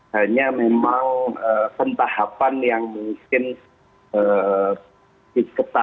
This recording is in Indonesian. hanya memang pentahapan yang mungkin diketat